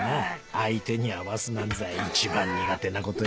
相手に合わすなんざ一番苦手なことよ。